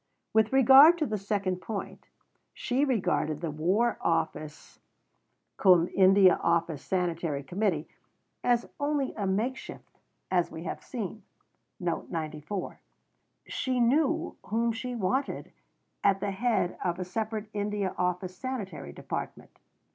With regard to the second point, she regarded the War Office cum India Office Sanitary Committee as only a makeshift, as we have seen. She knew whom she wanted at the head of a separate India Office Sanitary Department.